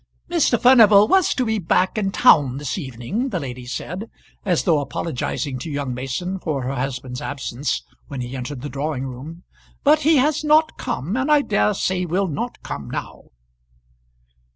"Mr. Furnival was to be back in town this evening," the lady said, as though apologizing to young Mason for her husband's absence, when he entered the drawing room, "but he has not come, and I dare say will not come now."